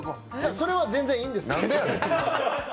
それは全然いいんですけど。